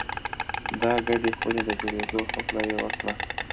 د ګډې خونې د جوړېدو هوکړه یې وکړه